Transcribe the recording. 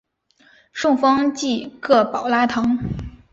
圣方济各保拉堂。